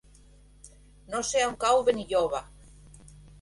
No sé on cau Benilloba.